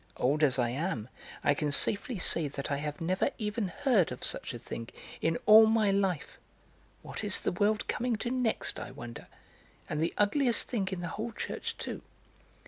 Old as I am, I can safely say that I have never even heard of such a thing in all my life! What is the world coming to next, I wonder! And the ugliest thing in the whole church, too."